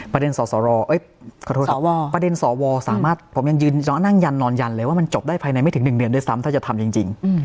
สสรขอโทษสวประเด็นสวสามารถผมยังนั่งยันนอนยันเลยว่ามันจบได้ภายในไม่ถึง๑เดือนด้วยซ้ำถ้าจะทำจริง